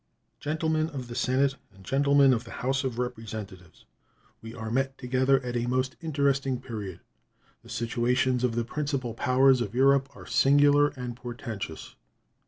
Gentlemen of the Senate and Gentlemen of the House of Representatives: We are met together at a most interesting period. The situations of the principal powers of Europe are singular and portentous.